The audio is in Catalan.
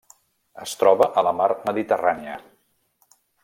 Es troba a la mar Mediterrània: